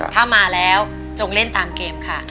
ถ้ามาแล้วจงเล่นตามเกมค่ะ